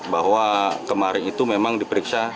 bahwa kemarin itu memang diperiksa